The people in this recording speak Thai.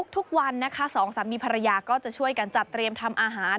ทุกวัน๒๓มีภรรยาก็จะช่วยกันจัดเตรียมทำอาหาร